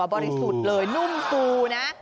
ริสุทธิ์เลยนุ่มฟูนะ